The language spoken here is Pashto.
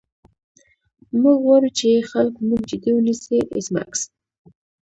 موږ غواړو چې خلک موږ جدي ونیسي ایس میکس